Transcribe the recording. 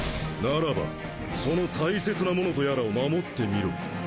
ならばその大切なものとやらを守ってみろ！